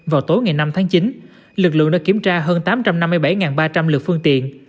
vào tối ngày năm tháng chín lực lượng đã kiểm tra hơn tám trăm năm mươi bảy ba trăm linh lượt phương tiện